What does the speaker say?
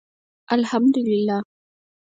الحمدالله